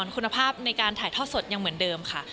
คุณภาพในการถ่ายทอดสดยังเหมือนเดิมค่ะ